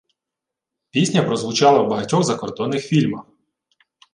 Пісня прозвучала в багатьох закордонних фільмах